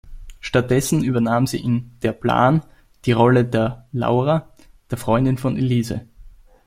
Stattdessen übernahm sie in "Der Plan" die Rolle der "Laura", der Freundin von Elise.